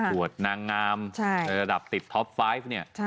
สวดนางงามระดับติดท็อป๕เนี่ย